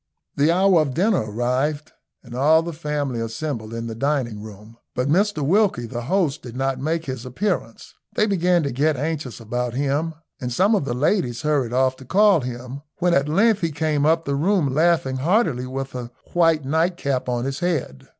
The hour of dinner arrived, and all the family assembled in the dining room, but Mr Wilkie, the host, did not make his appearance. They began to get anxious about him, and some of the ladies hurried off to call him, when at length he came up the room laughing heartily with a white night cap on his head.